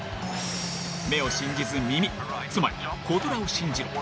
目を信じず耳つまり、コ・ドラを信じろ。